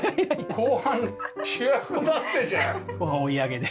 後半追い上げで。